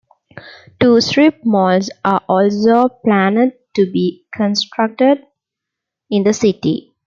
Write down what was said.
Two strip malls are also planned to be constructed in the city.